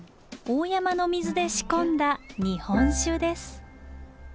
大山の水で仕込んだ日本酒です。